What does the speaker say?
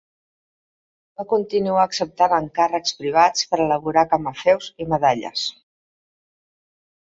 Va continuar acceptant encàrrecs privats per elaborar camafeus i medalles.